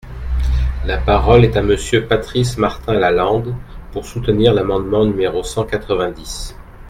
La parole est à Monsieur Patrice Martin-Lalande, pour soutenir l’amendement numéro cent quatre-vingt-dix.